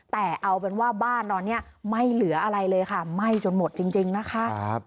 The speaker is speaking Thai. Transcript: แต่เอาเป็นว่าบ้านตอนนี้ไม่เหลืออะไรเลยค่ะไหม้จนหมดจริงนะคะ